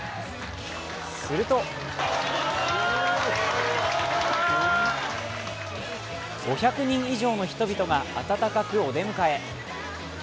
すると５００人以上の人々が温かくお出迎え。